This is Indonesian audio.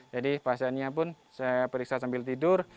jadi pasiennya pun saya periksa sambil tidur